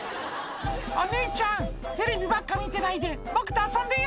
「お姉ちゃんテレビばっか見てないで僕と遊んでよ」